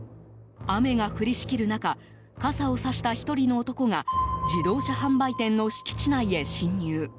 雨が降りしきる中傘をさした１人の男が自動車販売店の敷地内へ侵入。